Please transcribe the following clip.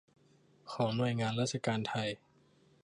ของหน่วยงานราชการไทย